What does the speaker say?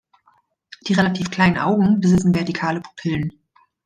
Die relativ kleinen Augen besitzen vertikale Pupillen.